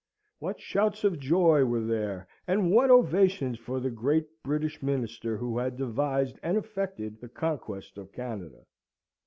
What shouts of joy were there, and what ovations for the great British Minister who had devised and effected the conquest of Canada!